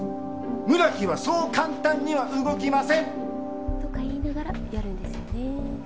村木はそう簡単には動きません！とか言いながらやるんですよね。